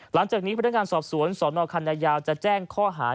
หลังจากนี้พนักงานสอบสวนสนคันนายาวจะแจ้งข้อหา